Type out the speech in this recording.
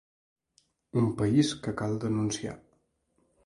Un país que cal denunciar.